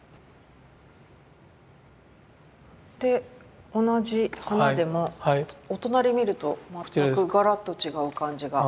で同じ花でもお隣見ると全くガラッと違う感じが。